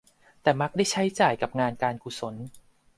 แต่มักได้ใช้จ่ายกับงานการกุศล